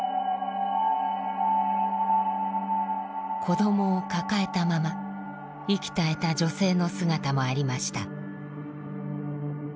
子どもを抱えたまま息絶えた女性の姿もありました。